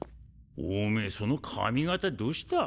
おめぇその髪形どうした？